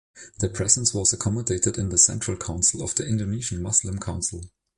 Their presence was accommodated in the Central Council of the Indonesian Muslim Council.